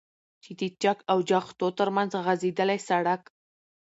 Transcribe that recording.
چې د چك او جغتو ترمنځ غځېدلى سړك